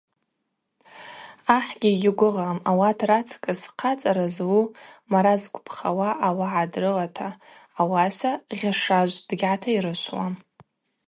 Ахӏгьи йгьигвыгъам ауат рацкӏыс хъацӏара злу мара зквпхауа ауагӏа дрылата, ауаса Гъьашажв дгьгӏатайрышвуам.